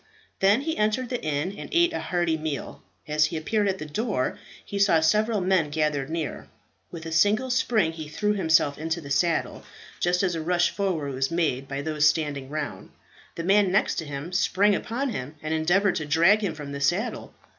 Then he entered the inn and ate a hearty meal. As he appeared at the door, he saw several men gathered near. With a single spring he threw himself into the saddle, just as a rush forward was made by those standing round. The man next to him sprang upon him, and endeavoured to drag him from the saddle.